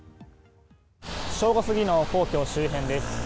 正午過ぎの皇居周辺です。